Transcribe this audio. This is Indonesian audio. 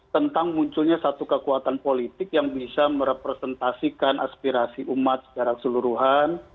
tentang munculnya satu kekuatan politik yang bisa merepresentasikan aspirasi umat secara keseluruhan